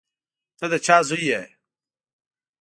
ته د چا زوی یې.